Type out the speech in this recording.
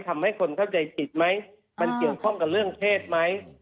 ทำให้คนเข้าใจผิดไหมมันเกี่ยวข้องกับเรื่องเทศไหม